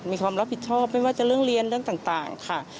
มีความรับผิดชอบไม่ว่าจะเรื่องเรียนเรื่องต่างค่ะ